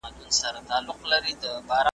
کډوال باید په خپل وطن کې په عزت سره ژوند وکړي.